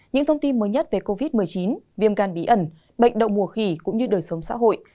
những thông tin mới nhất về covid một mươi chín viêm gan bí ẩn bệnh đậu mùa khỉ cũng như đời sống xã hội